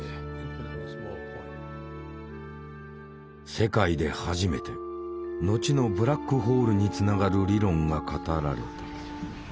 世界で初めて後のブラックホールにつながる理論が語られた。